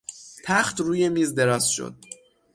تخت روی میز دراز شد.